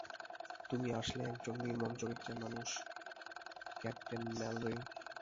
তুমি আসলে একজন নির্মম চরিত্রের মানুষ, ক্যাপ্টেন ম্যালরি।